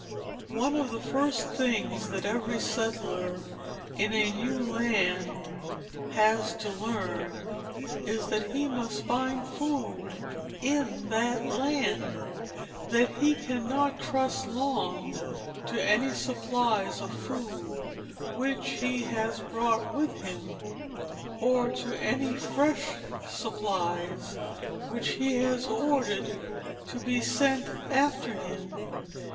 One of the first things that every settler in a new land has to learn is that he must find food in that land; that he cannot trust long to any supplies of food which he has brought with him, or to any fresh supplies which he has ordered to be sent after him.